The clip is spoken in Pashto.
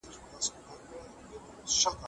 افغان ښځي خپلي ستونزي د ډیپلوماسۍ له لاري نه حل کوي.